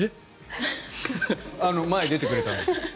前、出てくれたんです。